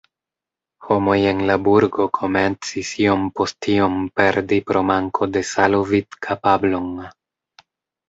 Homoj en la burgo komencis iom post iom perdi pro manko de salo vidkapablon.